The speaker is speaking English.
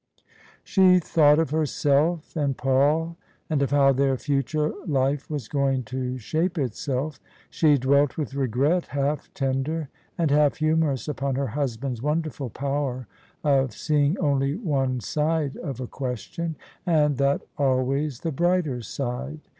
She thought of herself and Paul, and of how their future life was going to shape itself. She dwelt with regret half tender and half humorous upon her husband's wonderful power of seeing only one side of a question, and that always the brighter side.